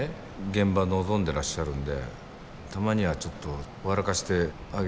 現場臨んでらっしゃるんでたまにはちょっと笑かしてあげるのも必要だし。